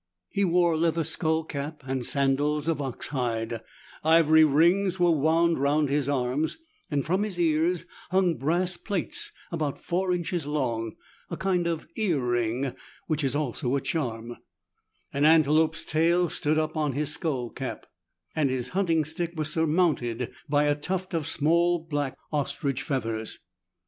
He wore a leather skull cap, and sandals of ox hide : ivory rings were wound round his arms, and from his ears hung brass plates about four inches long — a kind of ear ring — which is also a charm ; an antelope's tail stood up in his skull cap, and his hunting stick was surmounted by a tuft of small black ostrich feathers.